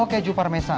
oh keju parmesan